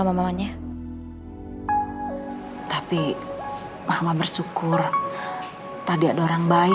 waktu ian geri sama klub warrior nyerang gue